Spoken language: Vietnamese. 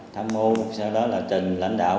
thăm mưu sau đó là trình lãnh đạo